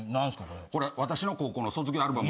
私の高校の卒業アルバム。